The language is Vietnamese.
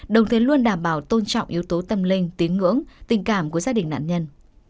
đồng thời luôn đảm bảo tôn trọng yếu tố tâm linh tín ngưỡng tình cảm của gia đình nạn nhân